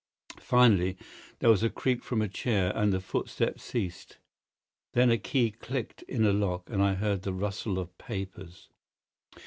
Finally, there was a creak from a chair, and the footsteps ceased. Then a key clicked in a lock and I heard the rustle of papers.